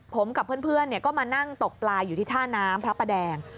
ผมกับเพื่อนก็มานั่งตกปลาอยู่ที่ท่าน้ำพระประแดง